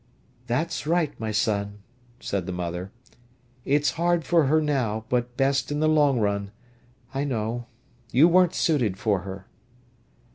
"That's right, my son," said the mother. "It's hard for her now, but best in the long run. I know. You weren't suited for her."